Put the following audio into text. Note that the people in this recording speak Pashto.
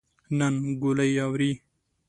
نن ګلۍ اوري